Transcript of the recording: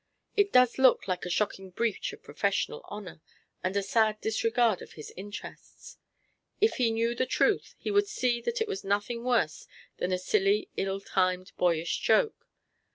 It does look like a shocking breach of professional honour, and a sad disregard of his interests. If he knew the truth he would see that it was nothing worse than a silly ill timed boyish joke.